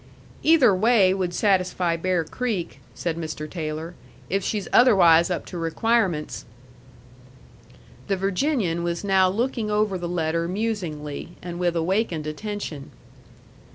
"Either way would satisfy Bear Creek," said Mr. Taylor, "if she's otherwise up to requirements." The Virginian was now looking over the letter musingly, and with awakened attention.